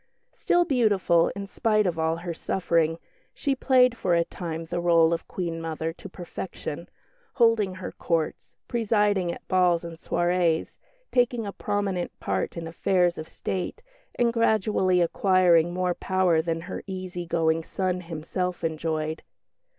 Still beautiful, in spite of all her suffering, she played for a time the rôle of Queen mother to perfection, holding her Courts, presiding at balls and soirées, taking a prominent part in affairs of State, and gradually acquiring more power than her easy going son himself enjoyed.